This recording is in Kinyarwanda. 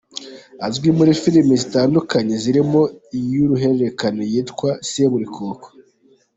Azwi muri filime zitandukanye zirimo iy’uruhererekane yitwa “Seburikoko”.